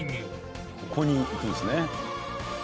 「ここにいくんですね」